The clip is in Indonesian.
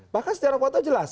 bahkan stiano fanto jelas